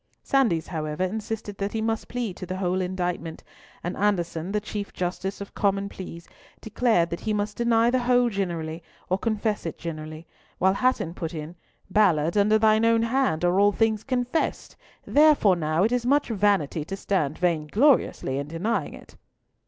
Sandys, however, insisted that he must plead to the whole indictment, and Anderson, the Chief Justice of Common Pleas, declared that he must deny the whole generally, or confess it generally; while Hatton put in, "Ballard, under thine own hand are all things confessed, therefore now it is much vanity to stand vaingloriously in denying it."